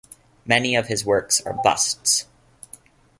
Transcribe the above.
Many of his works are busts.